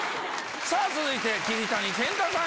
続いて桐谷健太さん